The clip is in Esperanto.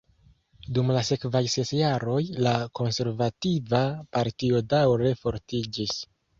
Dum la sekvaj ses jaroj, la Konservativa Partio daŭre fortiĝis.